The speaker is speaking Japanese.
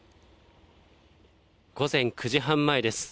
午前９時半前です。